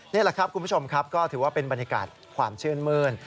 นี่แหละครับคุณผู้ชมครับก็ถือว่าเป็นบรรยากาศความชื่นมื้น